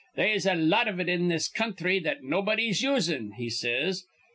'They'se a lot iv it in this counthry that nobody's usin',' he says.